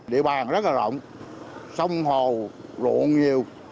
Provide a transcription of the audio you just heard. địa bàn rất là rộng sông hồ rộn nhiều